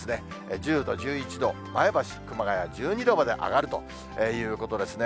１０度、１１度、前橋、熊谷１２度まで上がるということですね。